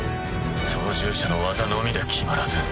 操縦者の技量のみで決まらず。